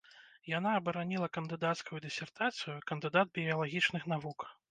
Яна абараніла кандыдацкую дысертацыю, кандыдат біялагічных навук.